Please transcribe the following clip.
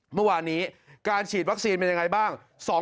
เมื่อวานนี้การฉีดวัคซีนเป็นยังไงบ้าง